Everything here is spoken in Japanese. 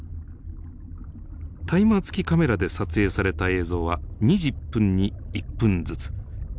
タイマー付きカメラで撮影された映像は２０分に１分ずつ。